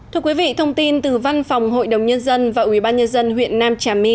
thưa quý vị thông tin từ văn phòng hội đồng nhân dân và ubnd huyện nam trà my